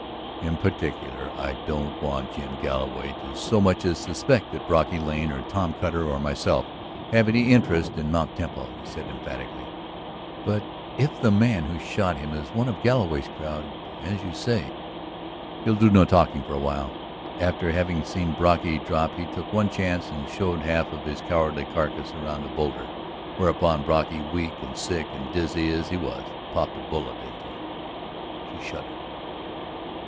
"In particular I don't want Jim Galloway to so much as suspect that Brocky Lane or Tom Cutter or myself have any interest in Mt. Temple," he said emphatically. "But if the man who shot him is one of Galloway's crowd, as you say. ..." "He'll do no talking for a while. After having seen Brocky drop he took one chance and showed half of his cowardly carcass around a boulder. Whereupon Brocky, weak and sick and dizzy as he was, popped a bullet into him." She shuddered.